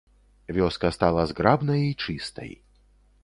Вёска стала зграбнай і чыстай.